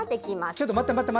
ちょっと待って、待って！